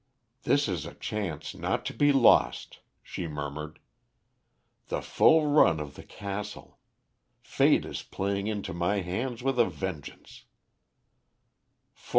"This is a chance not to be lost," she murmured. "The full run of the castle! Fate is playing into my hands with a vengeance."